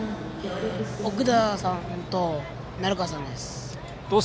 奥田さんと鳴川さんです。